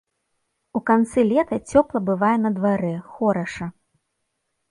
У канцы лета цёпла бывае на дварэ, хораша.